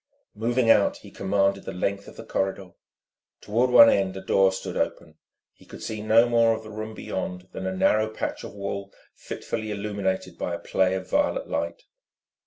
Moving out, he commanded the length of the corridor. Toward one end a door stood open. He could see no more of the room beyond than a narrow patch of wall fitfully illuminated by a play of violet light.